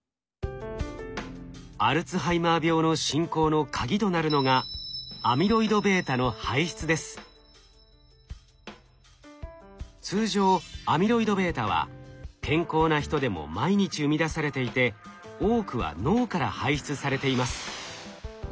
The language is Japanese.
アルツハイマー病の進行のカギとなるのが通常アミロイドβは健康な人でも毎日生み出されていて多くは脳から排出されています。